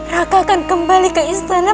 raka akan kembali ke istana